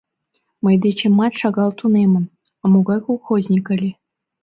— Мый дечемат шагал тунемын... а могай колхозник ыле.